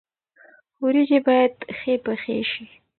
ورجې باید ښې پخې شي.